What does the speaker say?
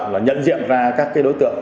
và nhận diện ra các đối tượng